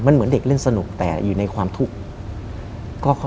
มันเหมือนเด็กเล่นสนุกแต่อยู่ในความทุกข์